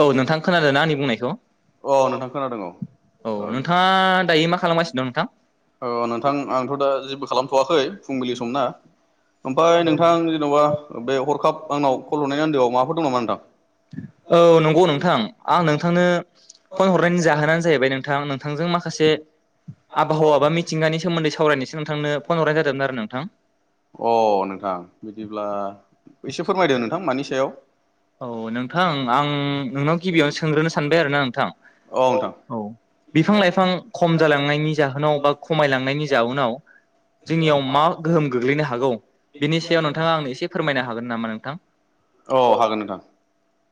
औ नोंथां खोनादों ना आंनि बुंनायखौ? अ नोंथां खोनादों औ नोंथाङा दायो मा खालामगासिनो दं नोंथां? अ नोंथां आंथ' दा जेबो खालामथ'वाखै फुंबिलि समना औ नंगौ नोंथां आं नोंथांनो फन हरनायनि जाहोनानो जाहैबाय नोंथां नोंथांजों माखासे आब बहावाबा मिथिंगानि सोमोन्दै सावरायनोसो नोंथांनो फन हरनाय जादोंमोन आरो नोंथां। औ नोंथां आं नोंनाव गिबियावनो सोंग्रोनो सानबाय आरोना नोंथां औ औ बिफां-लाइफां खम जालांनायनि जाहोनाव बा खमायलांनायनि जाउनाव जोंनियाव मा गोहोम गोग्लैनो हागौ? बिनि सायाव नोंथाङा आंनो एसे फोरमायनो हागोन नामा नोंथां? औ हागोन नोंथां।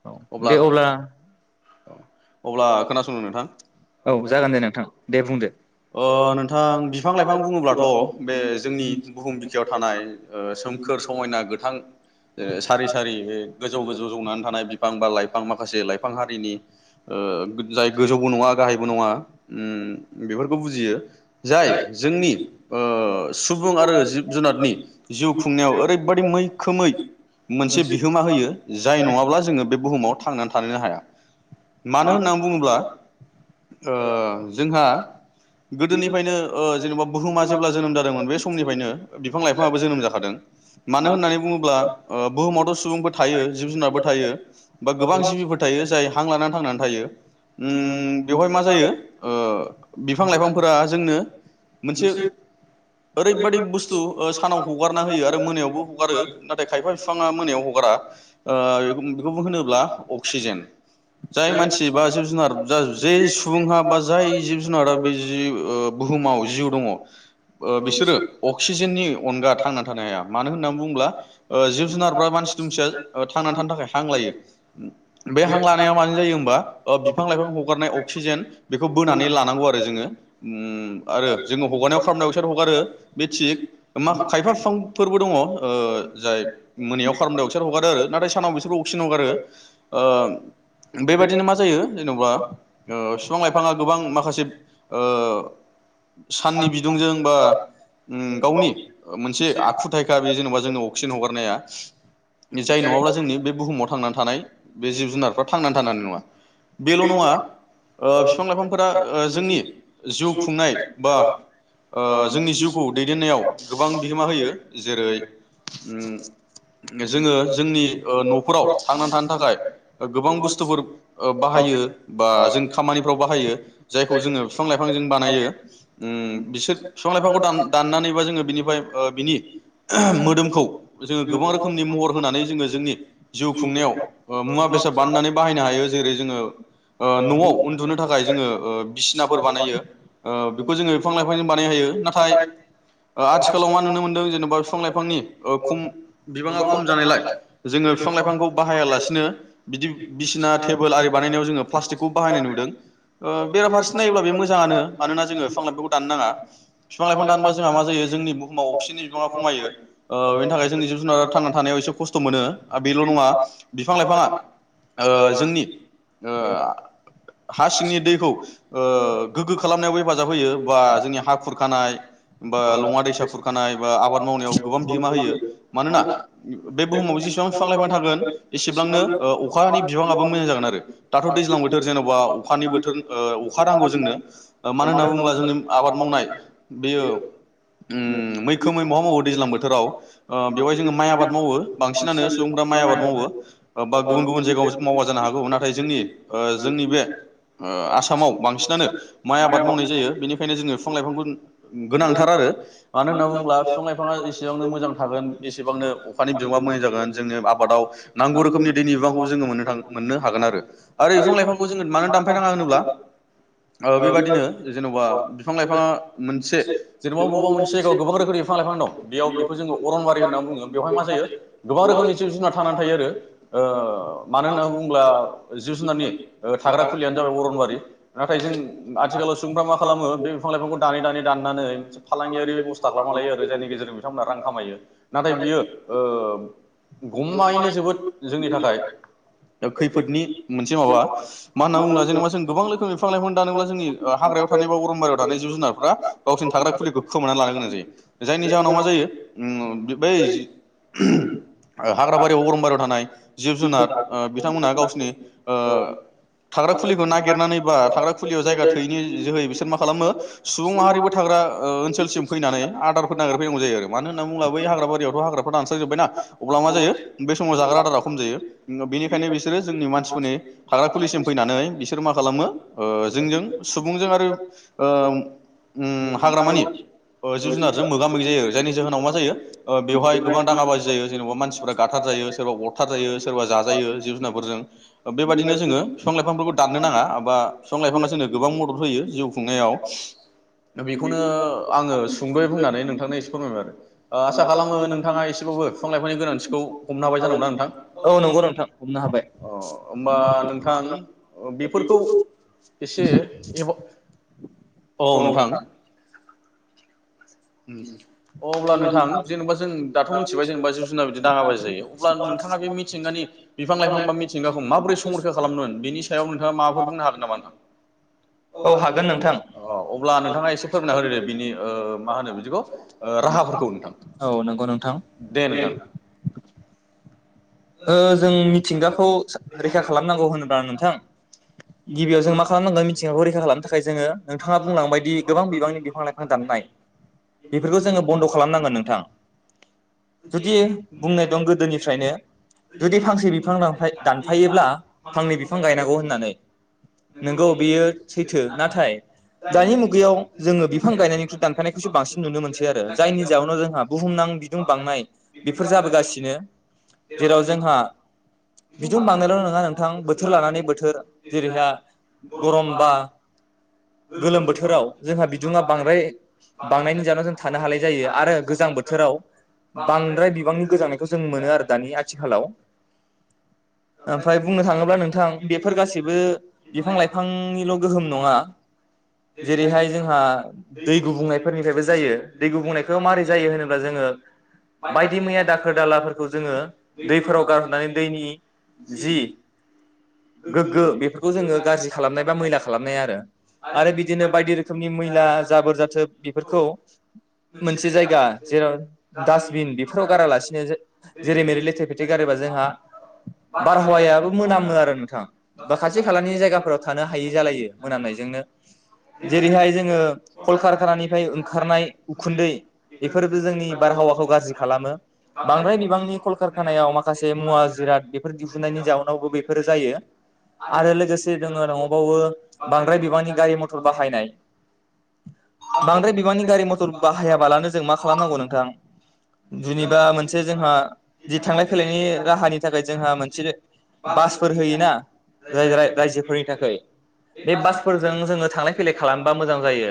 औ दे अब्ला [inaudible] अब्ला खोनासंनो नोंथां। औ जागोन दे नोंथां। दे बु बुंदों अ नोंथां बिफां लाइफां बुङोब्लाथ' बे जोंनि बुहुम बिखायाव थानाय ओ सोमखोर समायना गोथां सारि सारि गोजौ गोजौ जौनानै थानाय बिफां बा लाइफां माखासे लाइफां हारिनि ओ जाय गोजौबो नङा गाहायबो नङा ओम बेफोर बुजियो जाय जोंनि सुबुं आरो जिब जुनारनि जिउ खुंनायाव ओरैबायदि मैखोमै मोनसे बिहोमा होयो जाय नङाब्ला जोङो बे बुहुमाव थांनानै थानोनो हाया मानो होनना बुङोब्ला ओ जोंहा गोदोनिफ्रायनो ओ जेनेबा बुहुमा जेब्ला जोनोम जादोंमोन बे समनिफ्रायनो बिफां लाइफाङाबो जोनोम जाखादों मानो होननानै बुङोब्ला ओ बुहुमावथ' सुबुंफोर थायो, जिब जुनारबो थायो बा गोबां जिबिफोर थायो, जाय हां लानानै थांनानै थायो। ओम बेवहाय मा जायो ओ बिफां-लाइफांफोरा जोंनो मोनसे ओरैबादि बुस्थु ओ सानाव हगारना होयो आरो मोनायावबो हगारो नाथाय खायफा बिफाङा मोनायाव हगारा ओ बेखौ होनोब्ला अक्सिजेन। जाय मानसि बा जिब-जुनार जा जे सुबुंहा बा जाय जिब-जु जिब-जुनारा बे जि बुहुमाव जिउ दङ ओ बिसोरो अक्सिजेननि अनगा थांनानै थानो हाया, मानो होननानै बुङोब्ला ओ जिब-जुनारफ्रा मानसि-दुमसिया थांनानै थानो थाखाय हां लायो, बे हां लानाया माजों जायो होनबा, ओ बिफां लाइफां हगारनाय अक्सिजेन बेखौ बोनानै ला आरो जोङो ओम आरो जोङो हगारनायाव कार्बण्डाइ अक्साइड हगारो बे थिग, मा खायफा बिफांफोरबो दङ' ओ जाय मोनायाव कार्बण्डाइ अक्साइड हगारो आरो नाथाय सानाव बिसोरबो अक्सिजेन हगारो। ओ बेबादिनो मा जायो जेनबा ओ फिफां लाइफाङा गोबां माखासे ओ साननि बिदुंजों बा ओम गावनि मोनसे आखुथायखा बे जेनेबा जोंनि अक्सिजेन हगारनाया, जाय नङाब्ला जोंनि बे बुहुमाव थांनानै थानाय बे जिब-जुनारफ्रा थांनानै थानो हानाय नङा। बेल नङा ओ फिफां लाइफांफोरा ओ जोंनि जिउ खुंनाय बा ओ जोंनि जिउखौ दैदेननायाव गोबां बिहोमा होयो जेरै जोङो जोंनि ओ नफोराव थांनानै थानो थाखाय गोबां बुस्थुफोर ओ बाहायो बा जों खामानिफ्राव बाहायो। जायखौ जोङो बिफां-लाइफांजों बानायो, ओम बिसोर बिफां-लाइफांखौ दान-दाननानैबा जोङो बिनिफ्राय ओ बिनि मोदोमखौ जोङो गोबां रोखोमनि महर होनानै जोङो जोंनि जिउ खुंनायाव ओ मुवा बेसाद बानायनानै बाहायनो हायो। जेरै जों औ न'आव उन्दुनो थाखाय जोङो बिसिनाफोर बानायो बेखौ जोङो बिफां लाइफांजों बानायनो हायो नाथाय आथिखालाव मा नुनो मोनदों जेनेबा बिफां लाइफांनि खम बिबाङा खम जानायलाय जोङो बिफां लाइफांखौ बाहाया लासिनो बिदि बिसिना टेबोल आरि बानायनायाव जोङो प्लास्टिकखौ बाहायनाय नुदों। बेरफारसे नायोब्ला बे मोजाङानो मानोना जोङो बिफां लाइफांखौ दाननो नाङा बिफां लाइफां दानोबा जोंहा मा जायो जोंनि बुहुमाव अक्सिजेननि बिफाङा खमायो बेनि थाखाय जोंनि जिब जुनारा थांना थानायाव एसे खस्थ' मोनो आरो बेल' नङा बिफां लाइफाङा जोंनि ओ हा सिंनि दैखौ गोग्गो खालामनायावबो हेफाजाब होयो बा जोंनि हा खुरखानाय बा लङा दैसा खुरखानाय बा आबाद मावनायाव गोबां बिहोमा होयो मानोना बे बुहुमाव जेसेबां बिफां लाइफां थागोन एसेबांनो अखानि बिबाङाबो मोजां जागोन आरो। दाथ' दैज्लां बोथोर जेन'बा अखानि बोथोर अखा नांगौ जोंनो मानो होनना बुङोब्ला जोंनि आबाद मावनाय बेयो मैखोम मै महा मावो दैज्लां बोथोराव बेवहाय जोङो माइ आबाद मावो बांसिनानो सुबुंफोरा माइ आबाद मावो बा गुबुन गुबुन जायगायाव मावा जानो हागौमोन ना नाथाय जोंनि जोंनि बे आसामाव बांसिनानो माइ आबाद मावनाय जायो बेनिखायनो जोङो बिफां लाइफांखौ गोनांथार आरो मानो होनना बुङोब्ला बिफां लाइफाङा एसेबांनो मोजां थागोन एसेबांनो अखानि बिबाङा मोजां जागोन जोंनो आबादाव नांगौ रोखोमनि दैनि बिफांखौ जोङोनो थां मोननो हागोन आरो बिफां लाइफांखौ जों मानो नाङा होनोब्ला बेबायदिनो जेनेबा बिफां लाइफाङा मोनसे जेनेबा बबेबा मोनसे जायगायाव गोबां रोखोमनि बिफां लाइफां दं बेयाव बेखौ जोङो अरनबारि होननानै बुङो बेवहाय मा जायो गोबां रोखोमनि जिब जुनार थानानै थायो आरो मानो होननानै बुङोब्ला जिब जुनारनि थाग्रा बे जाय अरनबारि नाथाय जों आथिखालाव सुबुंफ्रा मा खालामो बे बिफां लाइफांखौ दानै दानै दान्नानै मोनसे फालांगियारि बेबस्था खालामना लायो आरो जायनि गेजेरजों बिथांमोनहा रां खामायो नाथाय बियो गमायैनो जोबोद जोंनि थाखाय खैफोदनि मोनसे माबा ना बुंङोब्ला जों गोबां रोखोमनि बिफां लाइफां दानोब्ला जोंनि हाग्रायाव थानाय बा अरनबारियाव थानाय जिब जुनारफोरा गावसिनि थाग्रा खुलिखौ खोमानानै लानो गोनां जायो जायनि जाहोनाव मा जायो बै हाग्रा बारियाव अरनबारियाव थानाय जिब जुनार बिथांमोनहा गावसिनि ओ थाग्रा खुलिखौ नागिरनानै बा थाग्रा खुलियाव जायगा थोयैनि जोहै बिसोर मा खालामो सुबुं माहारिबो थाग्रा ओनसोलसिम फैनानै आदारफोर नागिरफैनांगौ जायो आरो मानो होनना बुोब्ला बै हाग्रा बारियावथ' हाग्राफ्रा दानस्रांजोब्बायनाा अब्ला मा जायो बे समाव जाग्रा आदारा खम जायो। बेनिखायनो बिसोरो जोंनि मानसिफोरनि थाग्रा खुलिसिम बिसोर मा खालामो जोंजों सुबुंजों आरो हाग्रामानि जिब जुनादजों मोगा मोगि जायो जायनि जाहोनाव मा जायो ओ बेवहाय गोबां दाङाबाजि जायो जेन'बा मानसिफोरा गाथार जायो सोरबा अरथार जायो सोरबा जाजायो जिब जुनारफोरजों बेबादिनो जोङो बिफांफोरखौ दाननो नाङा बा बिफां लाइफाङा जोंनो गोबां मदद होयो जिउ खुंनायाव बेखौनो आङो सुंदयै बुंनानै नोंथांनो एसे फोरमायबाय आरो आसा खालामो नोंथाङा एसेबाबो बिफां लाइफांनि गोनांथिखौ हमनो हाबाय जानांगौ ना नोंथां? औ नंगौ नोंथां हमनो हाबाय हबा बेफोरखौ एसे एभ' औ नोंथां उम अब्ला नोंथां जेनेबा जों दाथ' मिथिबाय जेनेबा जिब जुनार बिदि दाङाबाजि जायो। अब्ला नोंथाङा बे मिथिंगानि बिफां लाइफां बा मिथिंगाखौ माबोरै संरखया खालामनो होन बेनि सायाव नोंथाङा माबाफोर बुंनो हागोन नामा नोंथां? औ हागोन नोंथां अ अब्ला नोंथाङा एसे फोरमायना होदो दे बिनि ओ मा होनो बिदिखौ राहाफोरखौ नोंथां दे नोंथां ओ जों मिथिंगाखौ सो रैखा खालामनांगौ होनोबा नोंथां गिबियाव जों मा खालामनांगोन मिथिंगाखौ रैखा खालामनो थाखाय जोङो। थाङा बुंलांबायदि गोबां बिबांनि बिफां लाइफां दाननाय बेफोरखौ जोङो बन्द खालामनांगोन नोंथां जुदि बुंनाय दं गोदोनिफ्रायनो जुदि फांसे बिफां दानफाय दानफायोब्ला फांनै बिफां गायनांगौ होननानै नोंगौ बेयो सैथो नाथाय दानि मुगायाव जोङो बिफां गायनायनि दानखानायखौसो बांसिन नुनो मोनसै आरो जायनि जाहोनाव जोंहा बुहुमनां बिदुं बांनाय बेफोर जाबोगासिनो। जेराव जोंहा बिदुं बांनायलनङा नोंथां बोथोर लानानै बोथोर जेरैहा गरमबा गोलोम बोथोराव जोंहा बिदुङा बांद्राय बांनायनि जाहोनाव जों थानो हालायि जायो आरो गोजां बोथोराव बांद्राय बिबांनि गोजांनायखौ जों मोनो आरो दानि आ आथिखालाव ओमफ्राय बुंनो थाङोब्ला नोंथां बेफोर गासैबो बिफां लाइफांनिल' गोहोम नङा जेरैहाय जोंहा दै गुबुंनायफोरनिफ्रायबो जायो दै गुबुंनायखौ माबारै जायो होनोब्ला जोङो बायदि मैया दाखोर दालाफोरखौ जोङो दैफोराव गारहरनाय दैनि जि गोग्गो बेफोरखौ जोङो गाज्रि खालामनाय बा मैला खालामनाय आरो आरो बिदिनो बायदि रोखोमनि मैला जाबोर जाथोब बेफोरखौ मोनसे जायगा जेराव डास्टबिन बेफोराव गारालासिनो जो जेरै मेरै लेथेर फेथे दैगारोबा जोंहा बारहावायाबो मोनामो आरो नोंथां बा खाथि खालानि जायगाफोराव थानो हायि जालायो मोनामनायजोंनो जेरैहाय जोङो कलकारखानानिफ्राय ओंखारनाय उखुन्दै बेफोरबो जोंनि बारहावाखौ गाज्रि खालामो बांद्राय बिबांनि कलकार खानायाव माखासे मुवा जिराद बेफोर दिहुननायनि जाउनावबो बेफोर जायो आरो लोगोसे जोङो दङबावो बांद्राय बिबांनि गारि मथर बाहायनाय बांद्राय बिबांनि गारि मथर बाहायाबालानो जों मा खालामनांगौ नोंथां जेनेबा मोनसे जोंहा जि थांलाय फैलायनि राहानि थाखाय जोंहा मोनसे बासफोर होयोनाय राय रायजोफोरनि थाखाय बे बासफोरजों थांलाय फैलाय खालामबा मोजां जायो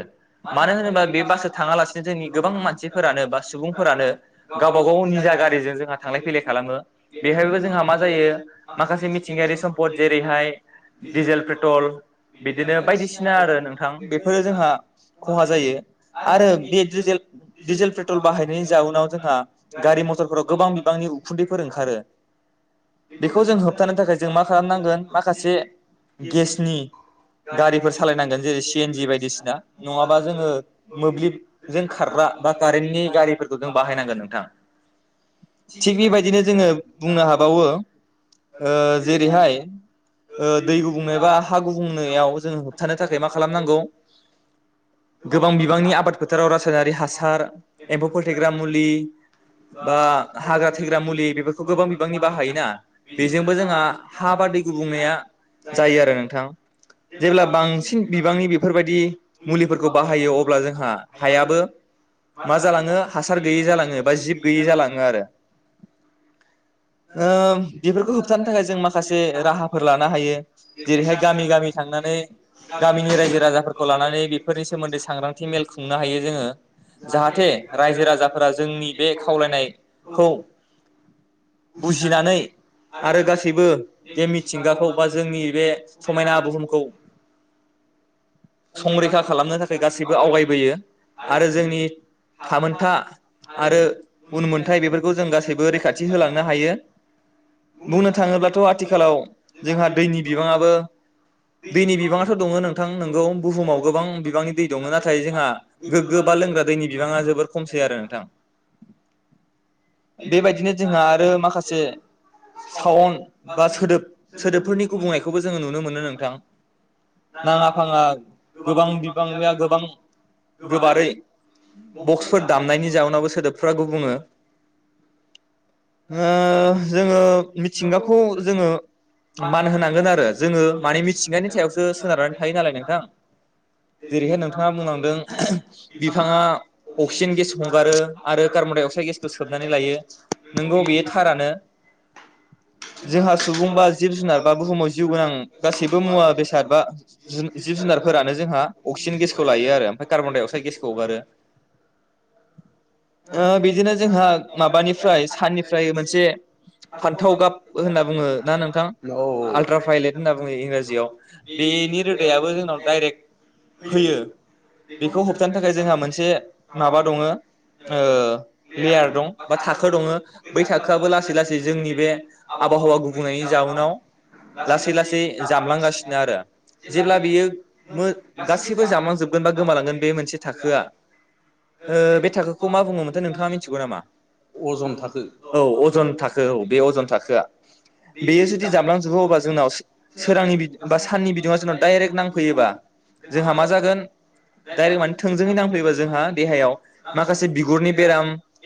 मानो होनोबा बे बासजों थाङालासिनो जोंनि गोबां मानसिफोरानो बा सुबुंफोरानो गावबा गाव निजा गारिजों जोंहा थांलाय फैलाय खालामो बेहायबो जोंहा मा जायो माखासे मिथिंगायारि सम्पद जेरैहाय दिजेल पेट्रल बिदिनो बायदिसि दिना आरो नोंथां बेफोरो जोंहा खहा जायो आरो बे डिजेल डिजेल पेट्रल बाहायनायनि जाउनाव जोंहा गारि मथरफोराव गोबां बिबांनि उ खुदैफोर ओंखारो, बेखौ जों होबथानो थाखाय जों मा खालामनांगोन माखासे गेसनि गारिफोर सा सालायनांगोन जेरै सि एन जि बायदिसिना नङाबा जोङो मोब्लिबजों खारग्रा बा कारेन्टनि गारिफोरखौ जों बाहायनांगोन नोंथां। थिग बेबायदिनो जोङो बुंनो हाबावो ओ जेरैहाय दै गुबुंनाय बा हा गुबुंनायाव जोङो होबथानो थाखाय मा खालामनांगौ गोबां बिबांनि आबाद फोथाराव रासायनारि हासार एम्फौ फोथेग्रा मुलि बा, हाग्रा थैग्रा मुलि बेफोरखौ गोबां बिबांनि बाहायोना बेजोंबो जोंहा हा बा दै गुबुंनाया जायो आरो नोंथां जेब्ला बांसिन बिबांनि बेफोरबायदि मुलिफोरखौ बाहायो अब्ला जोंहा हायाबो मा जालाङो हासार गैयै जालाङो बा जिब गैयै जालाङो आरो। ओ बेफोरखौ होबथानो थाखाय जों माखासे राहाफोर लानो हायो जेरैहाय गामि गामि थांनानै गामिनि रायजो राजाफोरखौ लानानै बेफोरनि सोमोन्दै सांग्रांथि मेल खुंनो हायो जोङो जाहाथे रायजो राजाफोरा जोंनि बे खावलायनाय, खौ बुजिनानै आरो गासैबो बे मिथिंगाखौ बा जोंनि बे समायना बुहुमखौ संरैखा खालामनो थाखाय गासैबो आवगायबोयो आरो जोंनि थामोनथा आरो उनमोन थाय बेफोरखौ जों गासैबो रैखाथि होलांनो हायो बुंनो थाङोब्लाथ आथिखालाव जोंहा दैनि बिबाङाबो दैनि बिबाङाथ दङो नोंथां। नोंगौ बुहुमाव गोबां बिबांनि दै दङ नाथाय जोंहा गोग्गो बा लोंग्रा दैनि बिबाङा जोबोर खमसै आरो नोंथां बेबायदिनो जोंहा आरो माखासे सावन बा सोदोब सोदोबफोरनि गुबुंनायखौबो जोङो नुनो मोनो नोंथां नाङा फाङा गोबां बिबां या गोबां गोबारै बक्सफोर दामनायनि जाउनावबो सोदोबफोरा गुबुङो। ओ जोङो मिथिंगाखौ जोङो मान होनांगोन आरो जोङो माने मिथिंगानि सायावसो सोनारनानै थायो नालाय नोंथां जेरैहाय नोंथाङा बुंलांदों बिफाङा अक्सिजेन गेस हंगारो आरो कार्बन डाइ अक्साइड गेस सोबनानै लायो। नोंगौ बेयो थारानो जोंहा सुबुं बा जिब जुनार बा बुहुमाव जिउ गोनां गासैबो मुवा बेसाद बा जुन जिब जुनारफोरानो जोंहा अक्सिजेन गेसखौ लायो आरो ओमफ्राय कार्बन डाइ अक्साइद गेसखौ हगारो। ओ बिदिनो, जोंहा माबानिफ्राय साननिफ्राय मोनसे फान्थाव गाब होनना बुङो ना नोंथां आल्ट्राभायलेट होनना बुङो इंराजियाव बेनि रोदायाबो जोंनाव डाइरेक्ट फैयो बेखौ होबथानो थाखाय जोंहा मोनसे माबा दङो। ओ लेयार दं बा थाखो दङ बै थाखोआबो लासै लासै जोंनि बे आबहावा गुबुंनायनि जाउनाव लासै लासै जामलांगासिनो आरो जेब्ला बेयो मो गासैबो जामलांजोबगोन बा गोमालांगोन बे मोनसे थाखोआ ओ बे थाखो, खौ मा बुङो मोनथाय नोंथाङा मिनथि नंगौ नामा ओ अजन थाखो औ बे अजन थाखोआ बेयो जुदि जामलांजोबो अबा जोंनाव सोरांनि बि बा साननि बिदुङा जोंनाव डाइरेक्ट नांफैयोबा जोंहा मा जागोन डाइरेक्ट माने थोंजों नांफैयोबा जोंहा देहायाव माखासे बिगुरनि बेराम, औ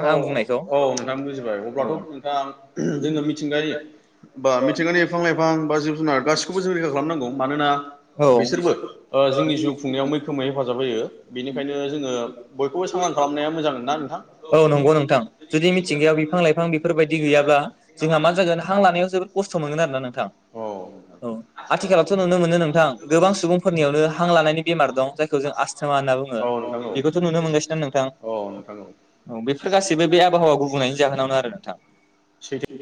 औ नोंथां बुजिबाय अब्लाथ नोंथां जोङो मिथिंगायारि बा मिथिंगानि बिफां लाइफां बा जिब जुनार गासिखौबो जों रैखा खालामनांगौ मानोना बिसोरबो ओ जोंनि जिउ खुंनाय, औ नंगौ नोंथां जुदि मिथिंगायाव बिफां लाइफां बेफोरबायदि गैयाबा जोंहा मा जागोन हां लानायाव जोबोद खस्थ मोनगोन आरो ना नोंथां औ आथिखालावथ नुनो मोनो नोंथां गोबां सुबुंफोरनियावनो हां लानायनि बेमार दं जायखौ जों आसथमा होनना बुङो बेखौथ नुनो मोनगासिनोना नोंथां औ बेफोर गाससिबो बे आबहावा गुबुंनायनि जाहोनावनो आरो नोंथां [inaudible]